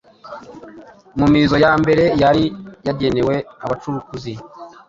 Mu mizo ya mbere yari yagenewe abacukuzi